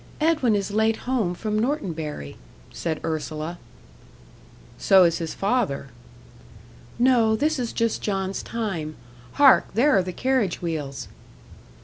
"Edwin is late home from Norton Bury," said Ursula. "So is his father." "No this is just John's time. Hark! there are the carriage wheels!"